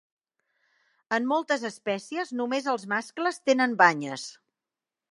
En moltes espècies, només els mascles tenen banyes.